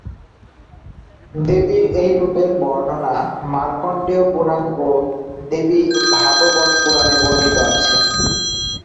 দেবীর এই রূপের বর্ণনা মার্কণ্ডেয় পুরাণ ও দেবীভাগবত পুরাণে বর্ণিত আছে।